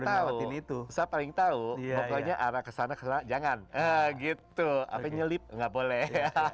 takutin itu saya paling tahu pokoknya arah kesana kesana jangan gitu apa nyelip nggak boleh